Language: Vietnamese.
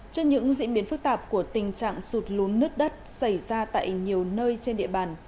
trước những diễn biến phức tạp của tình trạng sụt lún nứt đất xảy ra tại nhiều nơi trên địa bàn